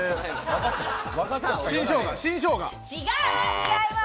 違います。